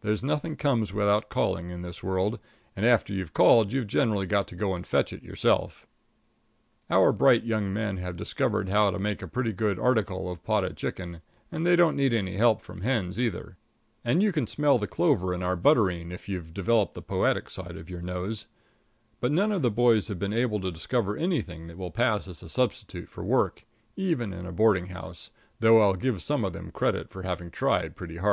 There's nothing comes without calling in this world, and after you've called you've generally got to go and fetch it yourself. Our bright young men have discovered how to make a pretty good article of potted chicken, and they don't need any help from hens, either; and you can smell the clover in our butterine if you've developed the poetic side of your nose; but none of the boys have been able to discover anything that will pass as a substitute for work, even in a boarding house, though I'll give some of them credit for having tried pretty hard.